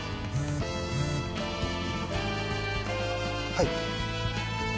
はい。